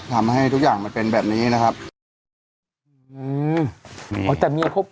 ทำให้ทุกอย่างมันเป็นแบบนี้นะครับ